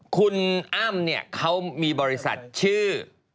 คุณอ้ำเขามีบริษัทชื่อ